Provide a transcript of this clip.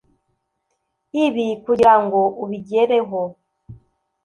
Ibi kugira ngo ubigereho